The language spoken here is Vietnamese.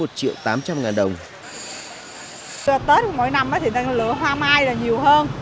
tết mỗi năm thì người ta lựa hoa mai là nhiều hơn